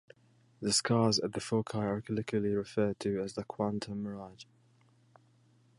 The scars at the foci are colloquially referred to as the "quantum mirage".